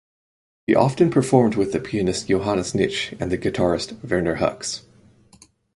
He often performed with the pianist Johannes Nitsch and the guitarist Werner Hucks.